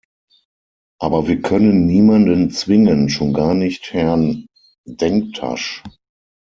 Aber wir können niemanden zwingen, schon gar nicht Herrn Denktash.